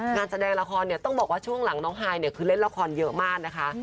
งานแสดงละครเนี่ยต้องบอกว่าช่วงหลังน้องฮายเนี่ยคือเล่นละครเยอะมากนะคะ